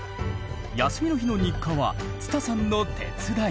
休みの日の日課はつたさんの手伝い。